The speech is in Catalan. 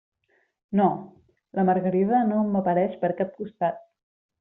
No, la margarida no m'apareix per cap costat.